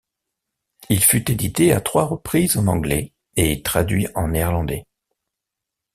Il fut édité à trois reprises en anglais et traduit en néerlandais.